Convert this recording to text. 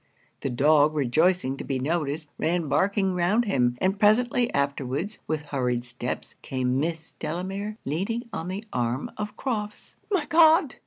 The dog, rejoicing to be noticed, ran barking round him; and presently afterwards, with hurried steps, came Miss Delamere, leaning on the arm of Crofts. 'My God!'